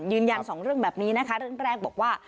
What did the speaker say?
ยืนยันสองเรื่องแบบนี้นะคะเรื่องแรกบอกว่า